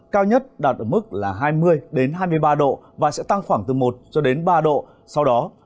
cao nhất đạt ở mức là hai mươi hai mươi ba độ và sẽ tăng khoảng từ một cho đến ba độ sau đó